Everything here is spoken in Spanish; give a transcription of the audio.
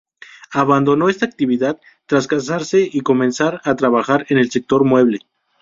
Abandonó esta actividad tras casarse y comenzar a trabajar en el sector del mueble.